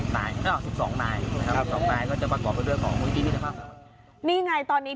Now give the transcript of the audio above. นี่ไงตอนนี้